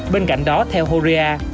bên cạnh đó theo horia